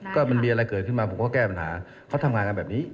ก็มันมีอะไรเกิดขึ้นมาผมก็แก้ปัญหาเขาทำงานกันแบบนี้